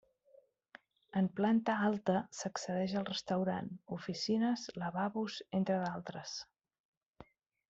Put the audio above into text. En planta alta s'accedeix al restaurant, oficines, lavabos entre d'altres.